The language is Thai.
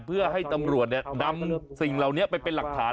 เพื่อให้ตำรวจนำสิ่งเหล่านี้ไปเป็นหลักฐาน